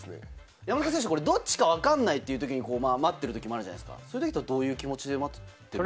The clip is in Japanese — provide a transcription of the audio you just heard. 山中選手、どっちかわかんないときに待ってるときもあるじゃないですか、そういうときはどういう気持ちで待ってるんですか？